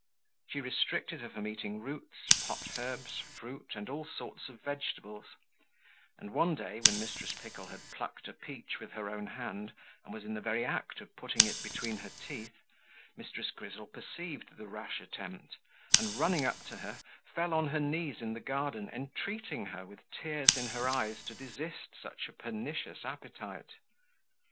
She restricted her from eating roots, pot herbs, fruit, and all sorts of vegetables; and one day, when Mrs. Pickle had plucked a peach with her own hand, and was in the very act of putting it between her teeth, Mrs. Grizzle perceived the rash attempt, and running up to her, fell on her knees in the garden, entreating her, with tears in her eyes, to desist such a pernicious appetite.